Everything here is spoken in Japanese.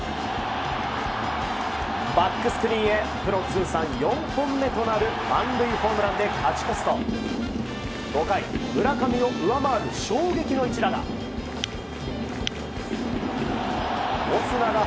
バックスクリーンへプロ通算４本目となる満塁ホームランで勝ち越すと５回、村上を上回る衝撃の一打が。